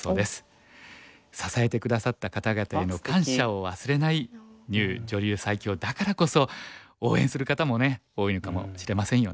支えて下さった方々への感謝を忘れない牛女流最強だからこそ応援する方もね多いのかもしれませんよね。